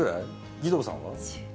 義堂さんは？